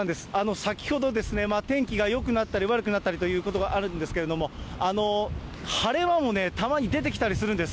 先ほど、天気がよくなったり悪くなったりということがあるんですけれども、晴れ間もたまに出てきたりするんです。